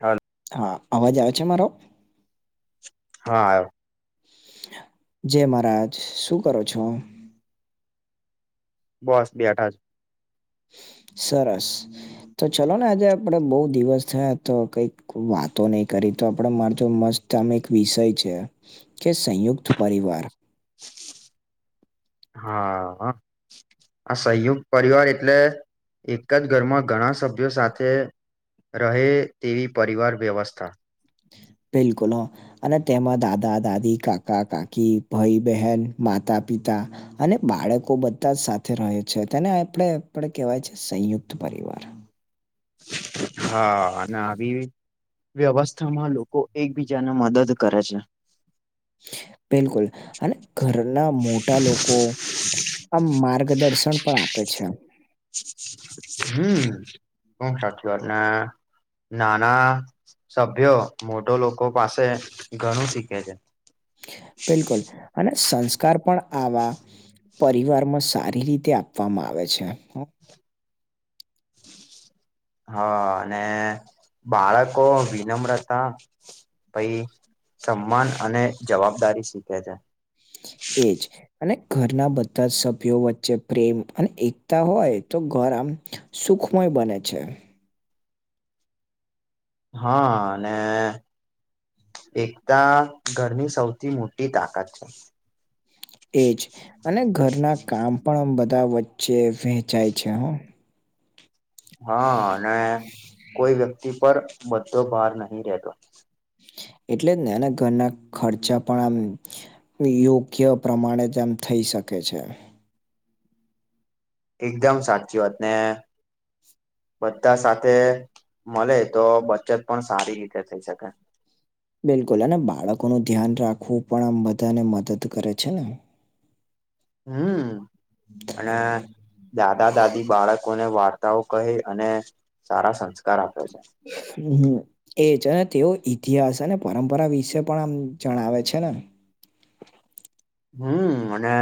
હાલ હા અવાજ આવે છે મારો? હા આયો જય મહારાજ શું કરો છો? બસ બેઠા છ સરસ તો ચલો ને આજે આપડે બહુ દિવસ થયા તો કઈક વાતો નહી કરી તો આપડે માર જોડ મસ્ત તામ એક વિષય છે કે સંયુક્ત પરિવાર [inaudible] હા હ. આ સંયુક્ત પરિવાર એટલે એક જ ઘરમાં ઘણા સભ્યો સાથે રહે તેવી પરિવાર વ્યવસ્થા. બિલકુલ હ અને તેમાં દાદા દાદી કાકા કાકી ભાઈ બહેન માતા પિતા અને બાળકો બધા જ સાથે રહે છે તેને આપણે આપડે કેહેવાય છે સંયુક્ત પરિવાર હા અને આવી વ્યવસ્થામાં લોકો એકબીજાને મદદ કરે છે. બિલકુલ અને ઘરના મોટા લોકો આમ માર્ગદર્શન પણ આપે છે. હમ્મ [unintelligible] સાચી વાત ને નાના સભ્યો મોટો લોકો પાસે ઘણું શીખે છે. બિલકુલ અને સંસ્કાર પણ આવા પરિવાર માં સારી રીતે આપવામાં આવે છે. હા અને બાળકો વિનમ્રતા પછી સમ્માન અને જવાબદારી શીખે છે. એજ અને ઘરના બધા જ સભ્યો વચ્ચે પ્રેમ અને એકતા હોય તો ઘર આમ સુખમય બને છે. હા અને એકતા ઘરની સૌથી મોટી તાકાત છે. એજ અને ઘરના કામ પણ બધા વચ્ચે વહેંચાય છે. હા અને કોઈ વ્યક્તિ પર બધો ભાર નહી રેતો. એટલે જ ને એના ઘરના ખર્ચા પણ આમ યોગ્ય પ્રમાણે તેમ થઈ શકે છે. એકદમ સાચી વાત ને બધા સાથે મલે તો બચત પણ સારી રીતે થઈ શકા બિલકુલ અને બાળકોનું ધ્યાન રાખવું પણ આમ બધાને મદદ કરે છે ને. હમ્મ અને દાદા દાદી બાળકો ને વાર્ તાઓ કહી અને સારા સંસ્કાર આપે છે. હમ હમ એજ અને તેઓ ઈતિહાસ અને પરંપરા વિશે પણ આમ જણાવે છે ને હમ્મ અને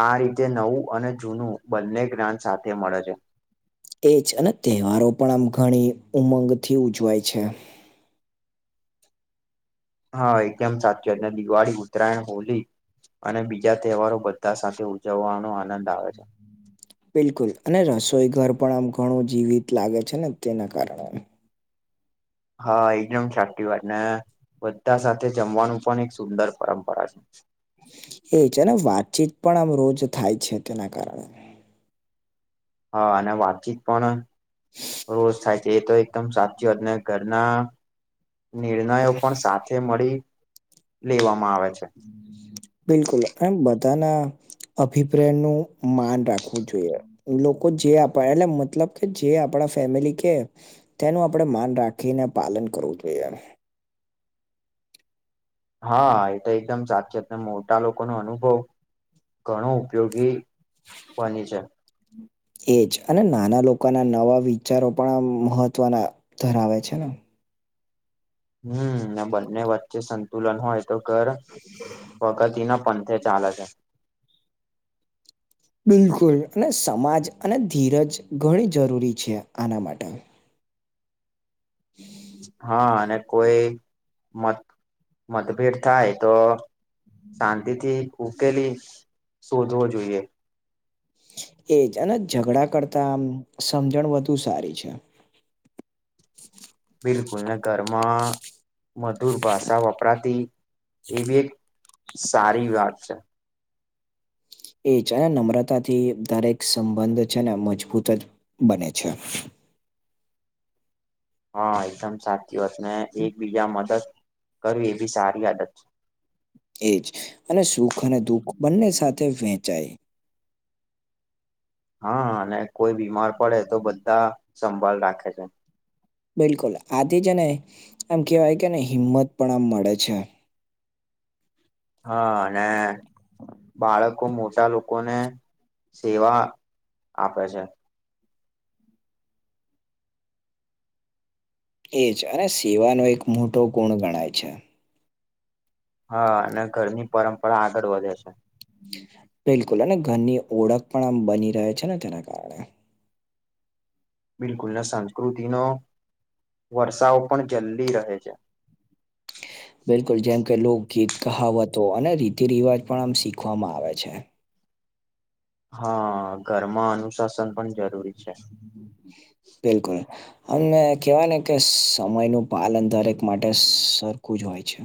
આ રીતે નવું અને જૂનું બંને જ્ઞાન સાથે મળે છે. એ જ અને તહેવારો પણ આમ ઘણી ઉમંગથી ઉજવાય છે. હા એકેમ સાચું અને દિવાળી ઉત્તરાયણ હોલી અને બીજા તહેવારો બધા સાથે ઉજવવાનો આનંદ આવે બિલકુલ અને રસોઈ ઘર પણ આમ ઘણું જીવિત લાગે છે ને તેના કારણે હા એકદમ સાચી વાત ને બધા સાથે જમવાનું પણ એક સુંદર પરંપરા છે એજ ને વાતચીત પણ આમ રોજ થાય છે તેના કારણે હા અને વાતચીત પણ રોજ થાય છે એ તો એકદમ સાચી વાતને ઘરના નિર્ણયો પણ સાથે મળી લેવામાં આવે છે બિલકુલ એમ બધાના અભિપ્રેન નું માન રાખવું જોઈએ લોકો જે આપ એટલે મતલબ કે જે આપણા ફેમિલી કે તેનું આપણે માન રાખીને પાલન કરવું જોઈએ હા એ તો એકદમ સાચીત મોટા લોકો નો અનુભવ ઘણો ઉપયોગી ફની એજ અને નાના લોકોના નવા વિચારો પણ આમ મહત્વના ધરાવે છે હમ અને બંને વચ્ચે સંતુલન હોય તો ઘર પ્રગતિ ના પંથે ચાલે છે બિલકુલ ને સમાજ અને ધીરજ ઘણી જરૂરી છે આના માટે હા અને કોઈ મત મતભેદ થાય તો શાંતિ થી ઉકેલી શોધવો જોઈએ. એજ અને ઝઘડા કરતા આમ સમજણ વધુ સારી છે બિલકુલ ને ઘરમાં મધુર ભાષા વપરાતી એ બી એક સારી વાત એ છે અને નમ્રતા થી દરેક સંબંધ છે ને મજબૂત જ બને છે હા એકદમ સાચી વાત ને એકબીજા મદદ કરવી એ બી સારી આદત છે એજ અને સુખ અને દુઃખ બંને સાથે વેચાય હા અને કોઈ બીમાર પડે તો બધા સંભાળ રાખે બિલકુલ આથી જ ને આમ કેહેવાય કેને હિંમત પણ આમ મળે છે હા અને બાળક બવ મોટા લોકોને સેવા આપે છે એજ અને સેવાનો એક મોટો ગુણ ગણાય છે હા અને ઘરની પરંપરા આગળ વધે છે બિલકુલ અને ઘરની ઓળખ પણ આમ બની રહે છે ને તેના કારણે બિલકુલ ને સંસ્કૃતિ ન વર્ષાવ પણ જલ્દી રહે છે બિલકુલ જેમ કે લોકગીત કહાવતો અને રીતિ રિવાજ પણ આમ શીખવામાં આવે છે હા ઘરમાં અનુસાસ બિલકુલ અમને કહેવાય ને કે સમયનું પાલન દરેક માટે સરખું જ હોય છે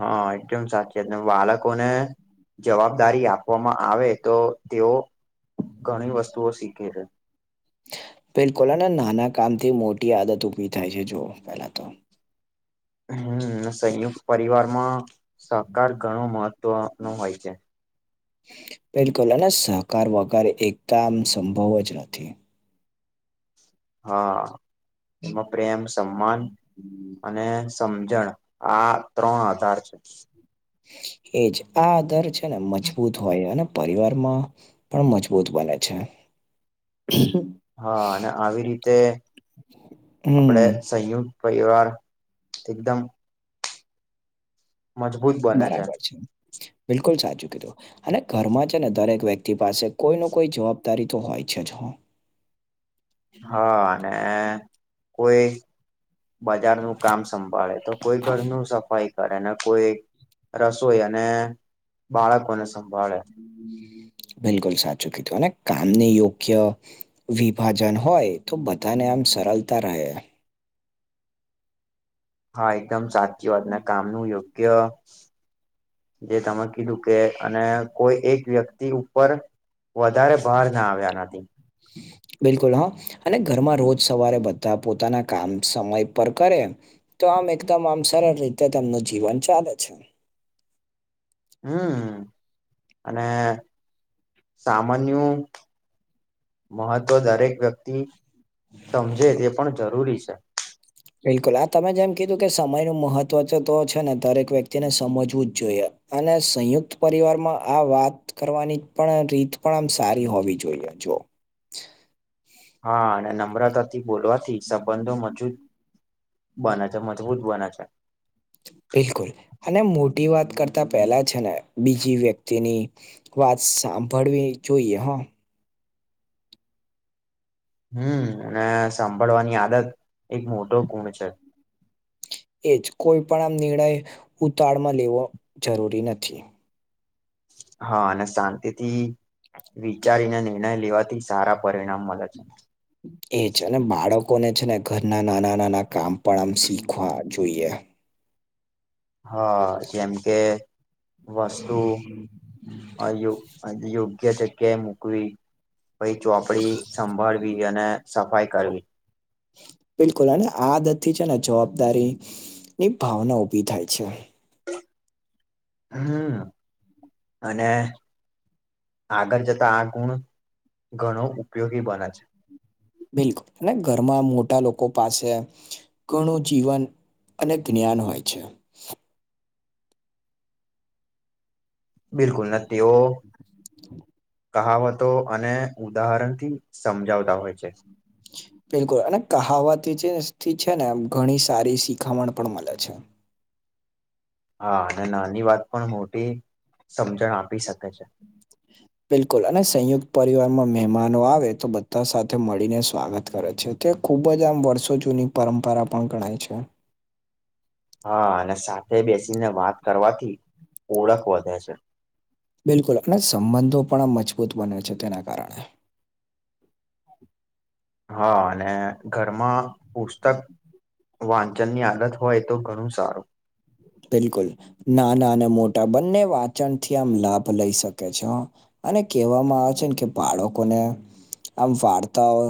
હા એકદમ સાચી વાર બાળકોને જવાબદારી આપવામાં આવે તો તેઓ ઘણી વસ્તુઓ શીખે છે. બિલકુલ અને નાના કામ થી મોટી આદત ઉભી થાય છે જોઓ પેલા તો હમ સંયુક્ત પરિવારમાં સહકાર ઘણો મહત્વ નો હોય છે પેલકુલ સહકાર વગર એકદમ સંભવ જ નથી હા એમાં પ્રેમ સમાન અને સમજણ આ ત્રણ આધાર છે. એજ આ દર છે ને મજબૂત હોયને પરિવાર માં પણ મજબૂત બને છે હા અને આવી રીતે આપડે હમ સંયુક્ત પરિવાર એકદમ. મજબૂત. બરાબર છે, બિલકુલ સાચું કીધું. અને ઘરમાં છે ને, દરેક વ્યક્તિ પાસે કોઈ ન કોઈ જવાબદારી તો હોય છે જ હો. હા, અને કોઈ બજારનું કામ સંભાળે, તો કોઈ ઘરનું સફાઈ એને કોઈ રસોઈ અને બાળકોને સંભાળે બિલકુલ સાચું કીધું, અને કામને યોગ્ય વિભાજન હોય, તો બધાને આમ સરળતા રહે. હા, એકદમ સાચી વાત. અને કામનું યોગ્ય જે તમે કે, અને કોઈ એક વ્યક્તિ ઉપર વધારે ભાર ના આવે. આનાથી હમ. બિલકુલ, હા. અને ઘરમાં રોજ સવારે બધા પોતાના કામ સમય પર કરે. તો આમ એકદમ આમ સરળ રીતે તેનું જીવન ચાલે છે. હમ, અને સામાન્ય મહત્વ દરેક વ્યક્તિ સમજે તે પણ જરૂરી છે. બિલકુલ, આ તમે જેમ કીધું કે, સમયનું મહત્વ તો છે ને દરેક વ્યક્તિને સમજવું જ જોઈએ. અને સંયુક્ત પરિવારમાં, આ વાત કરવાની પણ રીત પણ આમ સારી હોવી જોઈએ, જો. હા, અને નમ્રતાથી બોલવાથી સંબંધો મજબૂત બને છે, મજબૂત બને છે. બિલકુલ, અને મોટી વાત કરતા પેલા છે ને, બીજી વ્યક્તિની વાત સાંભળવી જોઈએ, હા. હમ, અને સાંભળવાની આદત એક મોટો ગુણ છે. એ જ કોઈ પણ આમ નિર્ણય ઉતાવાળમાં લેવો જરૂરી નથી. હા, અને શાંતિથી વિચારીને નિર્ણય લેવાથી સારા પરિણામ મળે છે. એ છે, અને બાળકોને છે ને, ઘરના નાના-નાના કામ પણ આમ શીખવા જોઈએ. હા, જેમ કે વસ્તુ અયો યોગ્ય જગ્યા મૂકવી. પછી ચોપડી સંભાળવી અને સફાઈ કરવી. બિલકુલ, અને આદતથી છે ને, જવાબદારી ની ભાવના ઉભી થાય છે. હમ, અને આગળ જતા આ ગુણ ઘણો ઉપયોગી બને છે. બિલકુલ, અને ઘરમાં મોટા લોકો પાસે ઘણું જીવન અને જ્ઞાન હોય છે. બિલકુલ, અને તેઓ કહાવતો અને ઉદાહરણથી સમજાવતા હોય છે. બિલકુલ, અને કહાવતથી છે ને, ઘણી સારી શીખામણ પણ મળે છે. હા, અને નાની વાત પણ મોટી સમજણ આપી શકે છે. હમ. બિલકુલ, અને સંયુક્ત પરિવારમાં મહેમાનો આવે, તો બધા સાથે મળીને સ્વાગત કરે છે. તે ખૂબ જ આમ વર્ષો જૂની પરંપરા પણ ગણાય છે હા, અને સાથે બેસીને વાત કરવાથી ઓળખ વધે છે. બિલકુલ, અને સંબંધો પણ મજબૂત બને છે તેના કારણે. હા, અને ઘરમાં પુસ્તક વાંચન ની આદત હોય તો ઘણું સારું બિલકુલ નાના અને મોટા બંને વાચન થી આમ લાભ લઈ શકે છે અને કહેવામાં આવે છે ને, કે બાળકોને આમ, વાર્તાઓ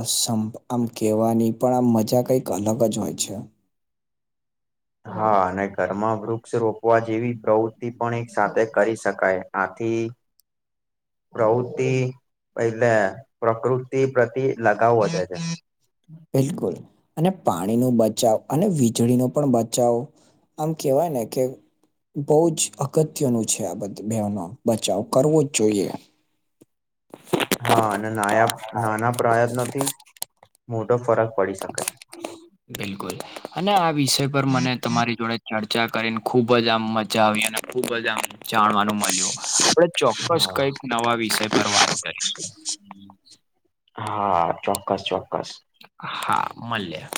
આમ કેહેવાની પણ આમ મજા કંઈક અલગ જ હોય છે. હા, અને ઘરમાં વૃક્ષ રોપવા જેવી પ્રવૃત્તિ પણ એક સાથે કરી શકાય, આથી કે એટલે પ્રકૃતિ પ્રતિ લગાવ વધે છે. બિલકુલ અને પાણી નુ બચાવ અને વીજળી નુ પણ બચાવ. આમ કહેવાય ને કે. બહુ જ અગત્યનું છે આ બધું બેનો બચાવ કરવો જ જોઈએ. હા અને નાયા નાના પ્રયત્નોથી મોટો ફરક પડી શકે છે. હ [unintelligible] બિલકુલ અને આ વિષય પર મને તમારી જોડે ચર્ચા કરીને ખુબ જ આમ મજા આવી અને. ખુબજ આમ જાણવાનું મળ્યું આપડે ચોક્કસ હા કંઈક નવા વિષય પર વાત કરીશું. હા ચોક્કસ ચોક્કસ. હા મલ્ય.